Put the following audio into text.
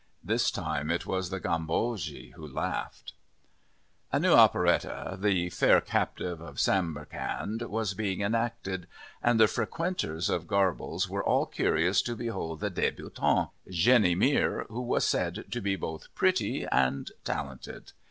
This time it was the Gambogi who laughed. A new operette, The Fair Captive of Samarcand, was being enacted, and the frequenters of Garble's were all curious to behold the débutante, Jenny Mere, who was said to be both pretty and talented.